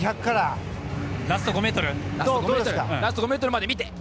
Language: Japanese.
ラスト５ｍまで見て！